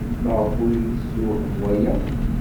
Maɣef ur iyi-yessewhem waya?